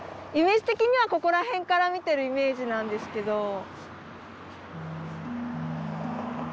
イメージ的にはここら辺から見てるイメージなんですけど。